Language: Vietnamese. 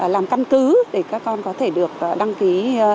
làm căn cứ để các con có thể được đăng ký